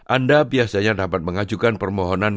anda biasanya dapat mengajukan permohonan